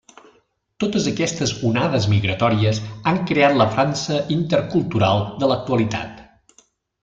Totes aquestes onades migratòries han creat la França intercultural de l’actualitat.